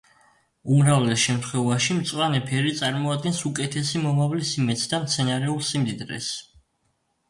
უმრავლეს შემთხვევაში მწვანე ფერი წარმოადგენს უკეთესი მომავლის იმედს და მცენარეულ სიმდიდრეს.